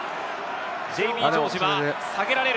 ジェイミー・ジョージは下げられる。